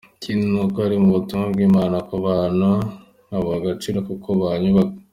Ikindi ni uko harimo ubutumwa bw’Imana ku bantu nkabuha agaciro kuko bunyubaka”.